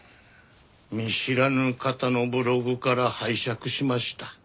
見知らぬ方のブログから拝借しました。